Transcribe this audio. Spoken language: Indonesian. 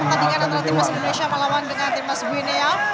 pertandingan antara tim masing masing malaysia melawan dengan tim masing masing guinea